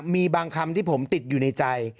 มีบางคำที่ผมติดอยู่ในใจ